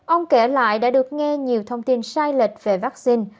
ông kể lại đã được nghe nhiều thông tin sai lệch về vaccine